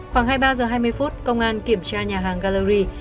khoảng hai mươi ba h hai mươi phút công an kiểm tra nhà hàng gallery